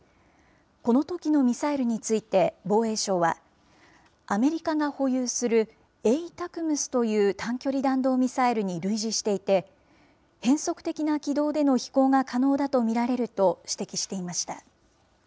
このときのミサイルについて防衛省は、アメリカが保有するＡＴＡＣＭＳという短距離弾道ミサイルに類似していて、変則的な軌道での飛行が可能だと見られると指摘していました。